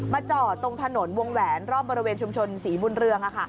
จอดตรงถนนวงแหวนรอบบริเวณชุมชนศรีบุญเรือง